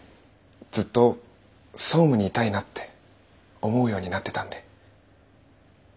ずっと総務にいたいなって思うようになってたんで。